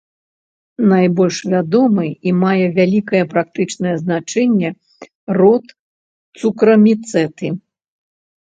Найбольш вядомы і мае вялікае практычнае значэнне род цукраміцэты.